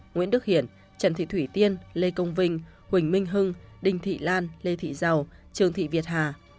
nguyễn đức hiển trần thị thủy tiên lê công vinh huỳnh minh hưng đinh thị lan lê thị giàu trương thị việt hà